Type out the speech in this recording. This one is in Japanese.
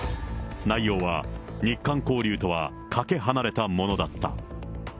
内容は、日韓交流とはかけ離れたものだった。